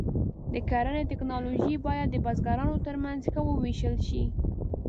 د کرنې ټکنالوژي باید د بزګرانو تر منځ ښه وویشل شي.